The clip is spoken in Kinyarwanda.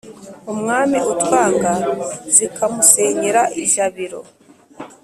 umwami utwanga zikamusenyera ijabiro